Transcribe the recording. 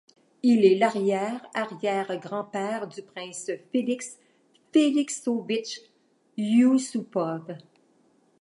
Il est l'arrière-arrière grand-père du prince Felix Felixovitch Ioussoupov.